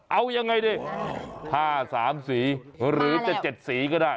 เอายังไงดิ๕๓สีหรือจะ๗สีก็ได้